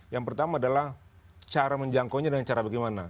yang pertama adalah cara menjangkaunya dengan cara bagaimana